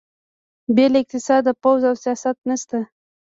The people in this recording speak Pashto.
بې له اقتصاده پوځ او سیاست نشته.